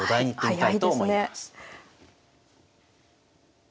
はい。